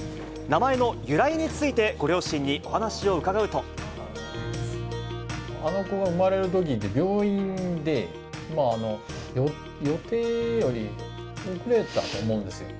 名前の由来について、ご両親におあの子が産まれるときって、病院で、予定より遅れたと思うんですよ。